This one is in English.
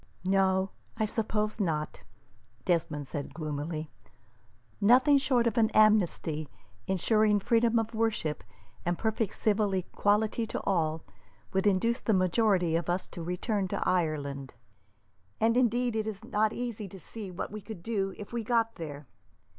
"No, I suppose not," Desmond said, gloomily. "Nothing short of an amnesty, ensuring freedom of worship, and perfect civil equality to all, would induce the majority of us to return to Ireland; and, indeed, it is not easy to see what we could do if we got there.